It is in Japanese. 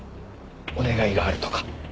お願いがあるとか。